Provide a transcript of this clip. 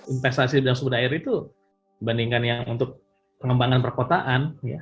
investasi pada sumber daya air itu dibandingkan yang untuk pengembangan perkotaan ya jauh lebih kecil gitu